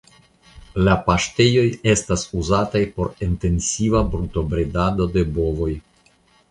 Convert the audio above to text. La paŝtejoj estas uzataj por etensiva brutobredado de bovoj.